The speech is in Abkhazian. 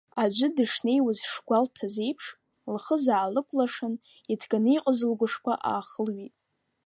Аӡәы дышнеиуаз шгәалҭаз еиԥш, лхыза аалыкәлыршан, иҭганы иҟаз лгәышԥы аахылҩеит.